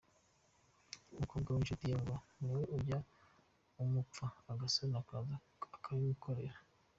Umukobwa w’inshuti ye ngo niwe ujya amupfa agasoni akaza akabimukorera.